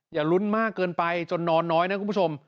อย่าลุ้นมากเกินไปจนนอนน้อยนะคุณผู้ชม